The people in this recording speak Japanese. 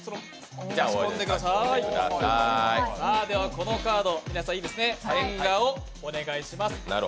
このカード、変顔をお願いします。